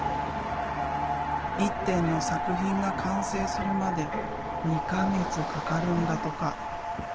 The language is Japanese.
１点の作品が完成するまで２か月かかるんだとか。